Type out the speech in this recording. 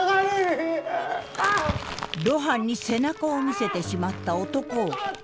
露伴に背中を見せてしまった男を異変が襲う。